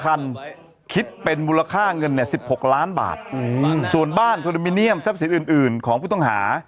ขันคิดเป็นมูลค่าเงินน่ะ๑๖ล้านบาทอืมส่วนบ้านสร้างทรัพย์อื่นอื่นของผู้ต้องหา